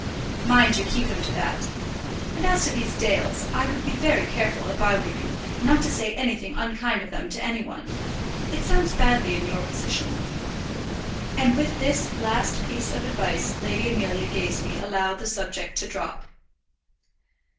"Mind you keep him to that. And as to these Dales, I would be very careful, if I were you, not to say anything unkind of them to any one. It sounds badly in your position." And with this last piece of advice Lady Amelia Gazebee allowed the subject to drop.